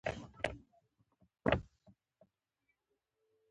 زما ټولګيوال هدايت نن کورته تللی دی.